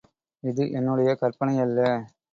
இது என்னுடைய கற்பனையல்ல.